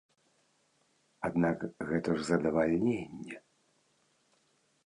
Аднак гэта ж задавальненне!